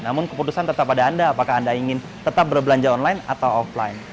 namun keputusan tetap pada anda apakah anda ingin tetap berbelanja online atau offline